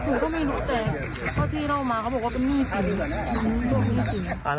ผมก็ไม่รู้แต่เอามาบอกว่าเป็นหนี้สี